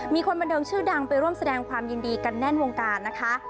มีคนบันเทิงชื่อดังไปร่วมแสดงความยินดีกันแน่นวงการนะคะ